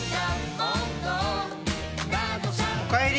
おかえり。